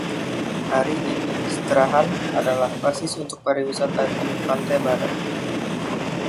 Hari ini Strahan adalah basis untuk pariwisata di pantai barat.